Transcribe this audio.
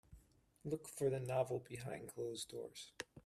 Look for the novel Behind closed doors